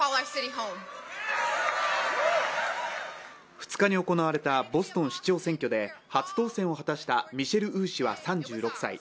２日に行われたボストン市長選挙で初当選を果たしたミシェル・ウー氏は３６歳。